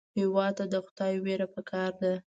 هېواد ته د خدای وېره پکار ده